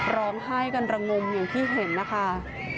ร้องไห้กันระงมอย่างที่เห็นนะคะ